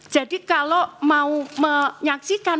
jadi kalau mau menyaksikan